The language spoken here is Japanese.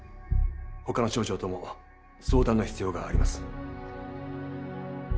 他の省庁とも相談の必要があります。